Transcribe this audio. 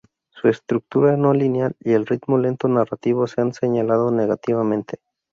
Su estructura no lineal y el ritmo lento narrativo se han señalado negativamente.